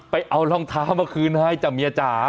เอารองเท้ามาคืนให้จ้ะเมียจ๋า